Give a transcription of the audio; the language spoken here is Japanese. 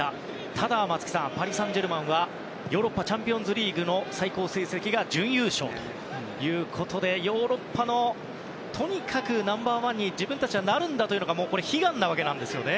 ただ、松木さんパリ・サンジェルマンはヨーロッパチャンピオンリーグの最高成績が準優勝ということでヨーロッパのナンバー１にとにかく自分たちがなるんだというのが悲願なんですね。